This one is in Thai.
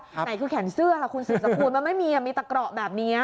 ไหนคือแขนเสื้อคุณศิษย์สะพูดมันไม่มีมีแต่เกราะแบบนี้